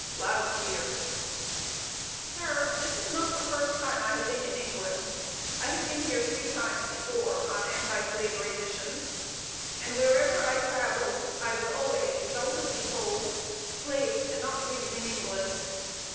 (Loud cheers.) Sir, this is not the first time I have been in England. I have been here three times before on anti slavery missions; and wherever I traveled, I was always exultantly told, "Slaves cannot breathe in England!"